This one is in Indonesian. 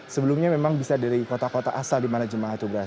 sebelumnya memang bisa dari kota kota asal